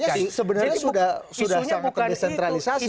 jadi sebenarnya sudah sangat terdesentralisasi